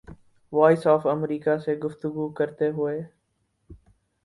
voice of America سے گفتگو کرتے ہوئے